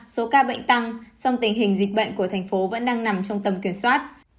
số ca bệnh tăng song tình hình dịch bệnh của thành phố vẫn đang nằm trong tầm kiểm soát